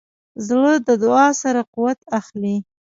زړه د دعا سره قوت اخلي.